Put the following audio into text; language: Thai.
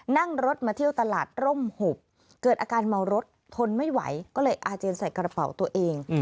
นั่งรถมาเที่ยวตลาดร่มหุบเกิดอาการเมารถทนไม่ไหวก็เลยอาเจียนใส่กระเป๋าตัวเอง